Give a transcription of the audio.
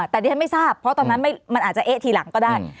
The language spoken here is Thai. แต่ดิฉันไม่ทราบเพราะตอนนั้นมันอาจจะเอ๊ะทีหลังก็ได้